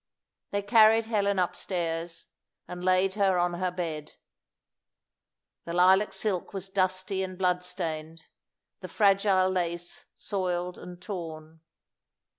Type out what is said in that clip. They carried Helen upstairs, and laid her on her bed. The lilac silk was dusty and blood stained, the fragile lace soiled and torn.